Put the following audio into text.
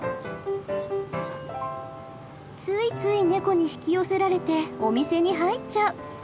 ついつい猫に引き寄せられてお店に入っちゃう。